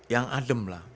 yang adem lah